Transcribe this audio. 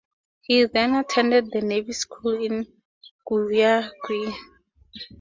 He then attended the Navy School in Guayaquil.